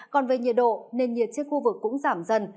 còn về nhiệt độ nền nhiệt trên khu vực cũng giảm dần